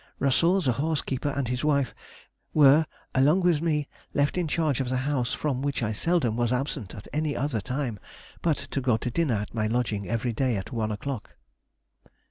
Russell, the horse keeper, and his wife, were, along with me, left in charge of the house, from which I seldom was absent at any other time but to go to dinner at my lodging every day at one o'clock.